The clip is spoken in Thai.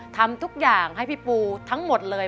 ทำทุกอย่างให้พี่ปูทั้งหมดเลย